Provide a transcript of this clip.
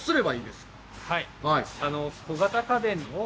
はい。